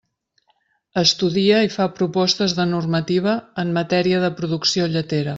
Estudia i fa propostes de normativa en matèria de producció lletera.